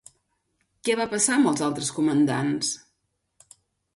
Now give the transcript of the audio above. Què va passar amb els altres comandants?